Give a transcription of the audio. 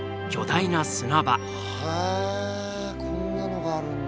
へえこんなのがあるんだ。